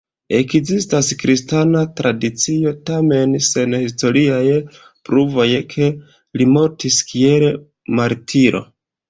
Ekzistas kristana tradicio, tamen sen historiaj pruvoj, ke li mortis kiel martiro.